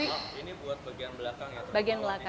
ini buat bagian belakang ya